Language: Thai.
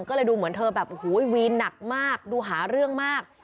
ก็เลยดูเหมือนเธอแบบโอ้โหวีนหนักมากดูหาเรื่องมาก